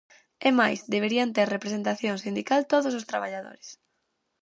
É máis, deberían ter representación sindical todos os traballadores.